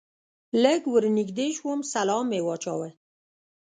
لږ ور نږدې شوم سلام مې واچاوه.